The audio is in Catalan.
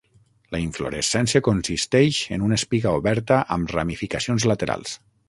La inflorescència consisteix en una espiga oberta amb ramificacions laterals.